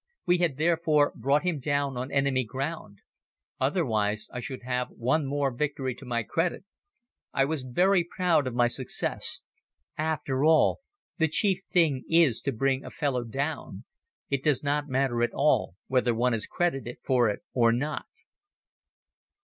We had therefore brought him down on enemy ground. Otherwise I should have one more victory to my credit. I was very proud of my success. After all, the chief thing is to bring a fellow down. It does not matter at all whether one is credited for it or not.